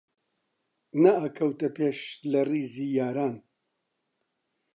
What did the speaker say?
نەئەکەوتە پێش لە ڕیزی یاران